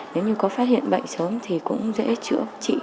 nếu như có phát hiện bệnh sớm thì cũng dễ chữa trị